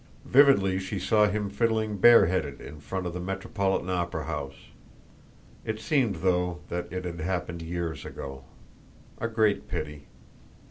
Vividly she saw him fiddling bareheaded in front of the Metropolitan Opera House. It seemed, though, that it had happened years ago. A great pity.